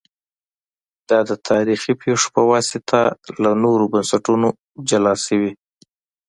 دا د تاریخي پېښو په واسطه له نورو بنسټونو جلا شوي